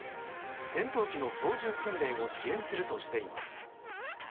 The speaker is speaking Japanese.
戦闘機の操縦訓練を支援するとしています。